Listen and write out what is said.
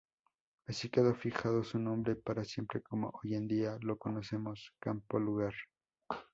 Así quedó fijado su nombre para siempre como hoy día lo conocemos, Campo Lugar.